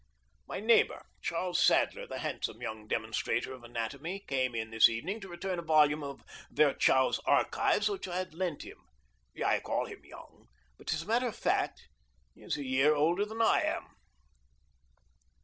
My neighbor, Charles Sadler, the handsome young demonstrator of anatomy, came in this evening to return a volume of Virchow's "Archives" which I had lent him. I call him young, but, as a matter of fact, he is a year older than I am.